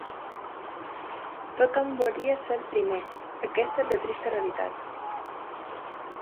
Tothom volia ser el primer… Aquesta és la trista realitat.